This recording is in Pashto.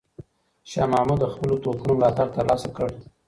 شاه محمود د خپلو توپونو ملاتړ ترلاسه کړ.